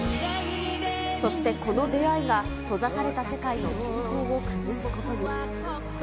そしてこの出会いが、閉ざされた世界の均衡を崩すことに。